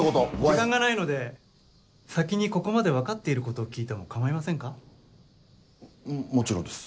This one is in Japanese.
時間がないので先にここまで分かっていることを聞いても構いませんか？ももちろんです。